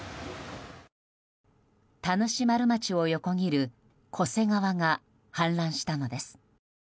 田主丸町を横切る巨瀬川が氾濫したのです。